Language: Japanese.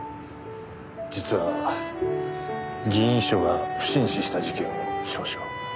実は議員秘書が不審死した事件を少々。